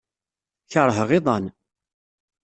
Keṛheɣ iḍan.